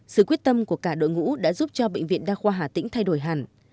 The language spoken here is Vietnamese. sự quyết tâm của cả đội ngũ đã giúp cho bệnh viện đa khoa hà tĩnh thay đổi hẳn